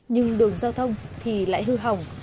nhưng đường giao thông thì lại hư hỏng